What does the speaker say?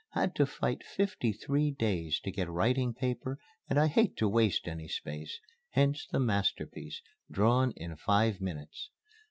Had to fight fifty three days to get writing paper and I hate to waste any space hence the masterpiece drawn in five minutes.